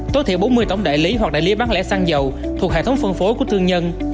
tối thiểu bốn mươi tổng đại lý hoặc đại lý bán lẻ xăng dầu thuộc hệ thống phân phối của thương nhân